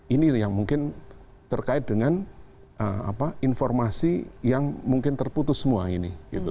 ini yang mungkin terkait dengan informasi yang mungkin terputus semua ini